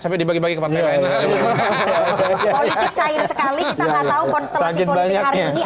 politik cair sekali kita nggak tahu konstelasi politik hari ini